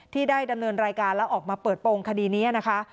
ที่ได้ดำเนินรายการแล้วออกมาเปิดโปรงคดีนี้นะคะ